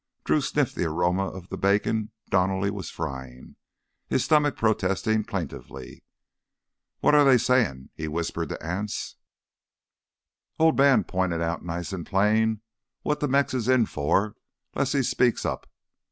Drew sniffed the aroma of the bacon Donally was frying, his stomach protesting plaintively. "What are they sayin'?" he whispered to Anse. "Old Man pointed out nice an' plain what th' Mex's in for, lessen he speaks up.